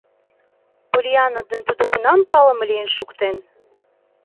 Поллианна ден тудо кунам палыме лийын шуктен?